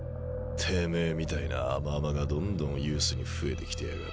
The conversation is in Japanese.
てめえみたいな甘々がどんどんユースに増えてきてやがる。